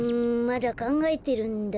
まだかんがえてるんだ。